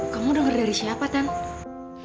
kamu dengar dari siapa tan